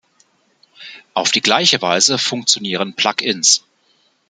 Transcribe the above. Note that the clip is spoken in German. Auf die Gleiche Weise funktionieren Plug-ins.